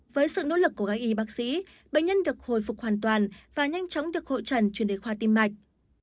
với sự nỗ lực của các y bác sĩ bệnh nhân được hồi phục hoàn toàn và nhanh chóng được hội trần chuyển đề khoa tim mạch